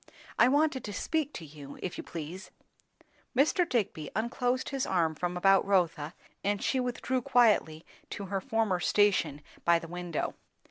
"I wanted to speak to you, if you please." Mr. Digby unclosed his arm from about Rotha, and she withdrew quietly to her former station by the window.